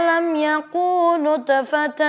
aku mau bekerja